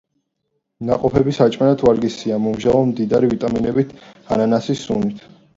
ნაყოფები საჭმელად ვარგისია, მომჟავო, მდიდარი ვიტამინებით ანანასის სუნით.